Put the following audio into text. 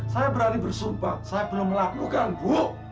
saya berani bersumpah saya belum melakukan bu